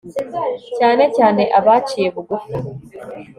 cyane cyane abaciye bugufi